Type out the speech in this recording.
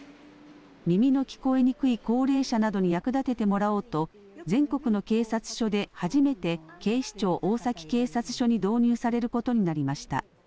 耳の聞こえにくい高齢者などに役立ててもらおうと全国の警察署で初めて警視庁大崎警察署に導入されることになりました。